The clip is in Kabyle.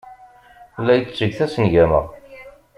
La yetteg tasengama.